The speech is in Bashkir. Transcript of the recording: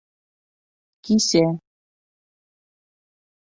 — Кисә.